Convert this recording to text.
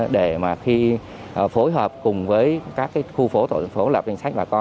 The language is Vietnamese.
để mà khi phối hợp cùng với các khu phố tổ dân phố lập danh sách bà con